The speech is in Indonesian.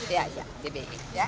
ya ya di bi